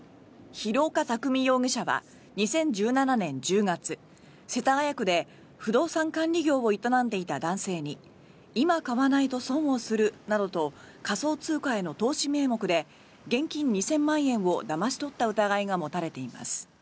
廣岡工容疑者は２０１７年１０月世田谷区で不動産管理業を営んでいた男性に今買わないと損をするなどと仮想通貨への投資名目で現金２０００万円をだまし取った疑いが持たれています。